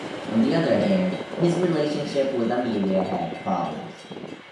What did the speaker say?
On the other hand, his relationship with Amelia had problems.